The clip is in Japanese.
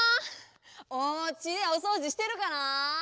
おうちでおそうじしてるかなあ？